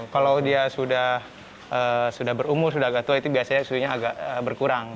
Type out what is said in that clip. kalau dia sudah berumur sudah agak tua itu biasanya suhunya agak berkurang